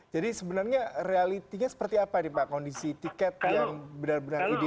jadi sebenarnya realitinya seperti apa nih pak kondisi tiket yang benar benar ideal